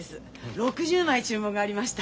６０枚注文がありました。